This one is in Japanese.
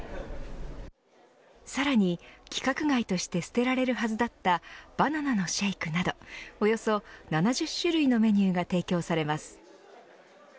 さらに規格外として捨てられるはずだったバナナのシェイクなどおよそ７０種類のメニューが提供されます。